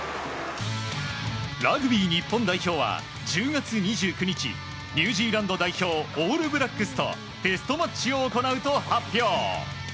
ラグビー日本代表は１０月２９日ニュージーランド代表オールブラックスとテストマッチを行うと発表。